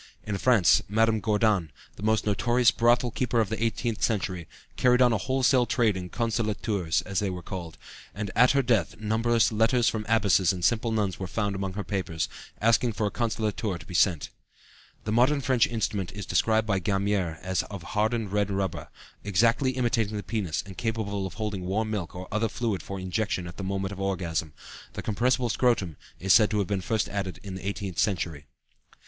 In France, Madame Gourdan, the most notorious brothel keeper of the eighteenth century, carried on a wholesale trade in consolateurs, as they were called, and "at her death numberless letters from abbesses and simple nuns were found among her papers, asking for a 'consolateur' to be sent." The modern French instrument is described by Gamier as of hardened red rubber, exactly imitating the penis and capable of holding warm milk or other fluid for injection at the moment of orgasm; the compressible scrotum is said to have been first added in the eighteenth century.